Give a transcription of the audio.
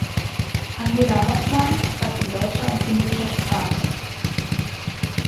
Angela Hoffmann schreibt in deutscher und englischer Sprache.